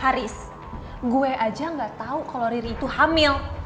haris gue aja nggak tau kalo riri itu hamil